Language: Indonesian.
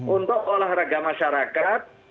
untuk olahraga masyarakat